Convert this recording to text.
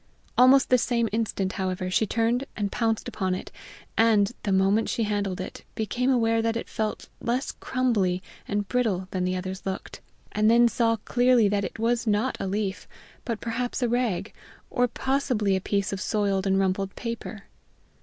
Almost the same instant, however, she turned and pounced upon it, and, the moment she handled it, became aware that it felt less crumbly and brittle than the others looked, and then saw clearly that it was not a leaf, but perhaps a rag, or possibly a piece of soiled and rumpled paper.